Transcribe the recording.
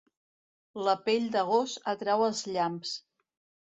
La pell de gos atrau els llamps.